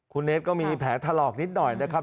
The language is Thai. คุณเนสก็มีแผลถลอกนิดหน่อยนะครับ